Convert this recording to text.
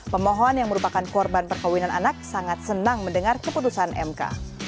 pemohon yang merupakan korban perkawinan anak sangat senang mendengar keputusan mk